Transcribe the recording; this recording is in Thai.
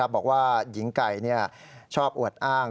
บอกว่าหญิงไก่ชอบอวดอ้าง